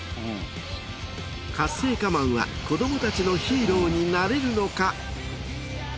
カッセイカマンは子どもたちのヒーローになれるのか？